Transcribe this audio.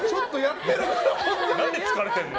何で疲れてるの。